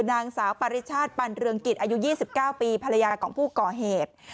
นางสาวปริชาติปันเรืองกิจอายุยี่สิบเก้าปีภรรยากล่องผู้ก่อเหตุ